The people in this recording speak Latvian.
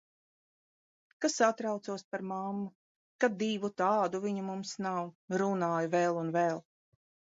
Ka satraucos par mammu, ka divu tādu viņu mums nav. Runāju vēl un vēl.